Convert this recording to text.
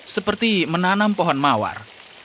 seperti menanam pohon mawar